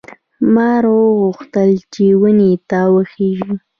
مار غوښتل چې ونې ته وخېژي.